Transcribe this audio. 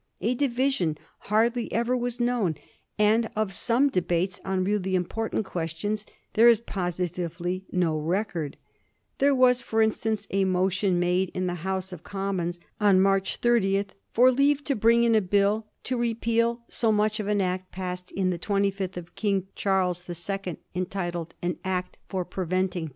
A division hardly ever was known, and of some debates on really important questions there is positively no record. There was, for instance, a motion made in the House of Commons on March 30th for leave to bring in a Bill " to repeal so much of an Act passed in the 25th of King Charles the Second, entitled An Act for preventing 176 A BISTORT OF THE FOUB GEOROEa CH.xzxn.